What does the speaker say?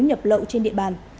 nhập lậu trên địa bàn